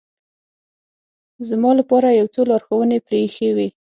زما لپاره یو څو لارښوونې پرې اېښې وې.